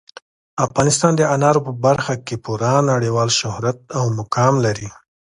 افغانستان د انارو په برخه کې پوره نړیوال شهرت او مقام لري.